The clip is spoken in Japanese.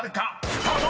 ［スタート！］